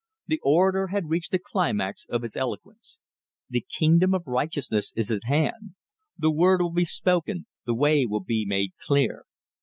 The orator had reached the climax of his eloquence. "The kingdom of righteousness is at hand. The word will be spoken, the way will be made clear.